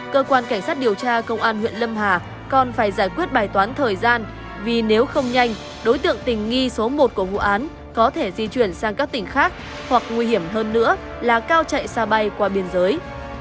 cơ quan cảnh sát điều tra công an huyện lâm hà còn phải giải quyết bài toán thời gian vì nếu không nhanh đối tượng tình nghi số một của vụ án có thể di chuyển sang các tỉnh khác hoặc nguy hiểm hơn nữa là cao chạy xa bay qua biên giới